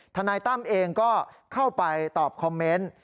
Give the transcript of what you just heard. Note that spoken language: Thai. นายตั้มเองก็เข้าไปตอบคอมเมนต์